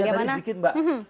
oh ya tadi sedikit mbak